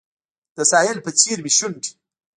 د ساحل په څیر مې شونډې